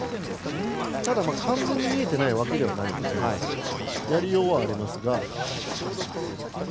完全に見えてないわけではないのでやりようはありますが。